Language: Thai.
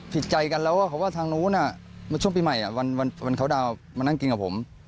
ติดใจกันแล้วว่าทางนู้นช่วงปีใหม่วันเขาดาวน์มานั่งกินกับผม